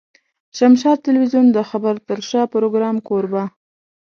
د شمشاد ټلوېزيون د خبر تر شا پروګرام کوربه.